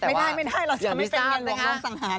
ไม่ได้เราจะไม่เป็นเงินหลวงโดนสังหาร